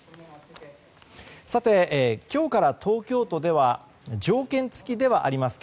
今日から東京都では条件付きではありますが。